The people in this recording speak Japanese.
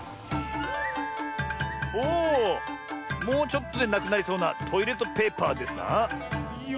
もうちょっとでなくなりそうなトイレットペーパーですな。